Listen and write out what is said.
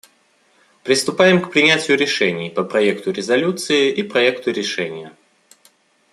Приступаем к принятию решений по проекту резолюции и проекту решения.